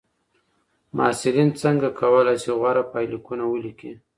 محصلین څنګه کولای سي غوره پایلیکونه ولیکي؟